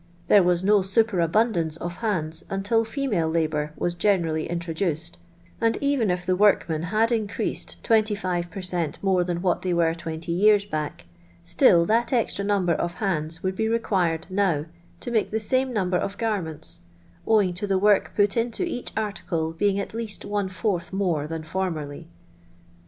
There was no superabundance of hands until female 'labour was generally introduced — and even if the workmen had increased 25 per cent, more than what they were twenty years back, still that extra number of hands wouhl be required now to make the same number of garments, owing to the work put ijito each article being at least one fourth moro than formerly.